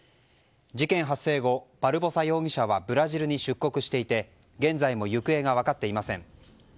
事件発生後、バルボサ容疑者はブラジルに出国していて現在も行方が分かっていません。